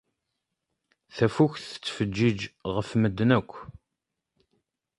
Tafukt tettfeǧǧiǧ ɣef medden akk.